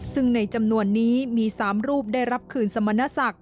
ซึ่งในจำนวนนี้มี๓รูปได้รับคืนสรรพ์มนธสักษ์